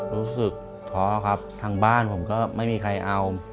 รู้สึกท้อครับทางบ้านผมก็ไม่มีใครเอา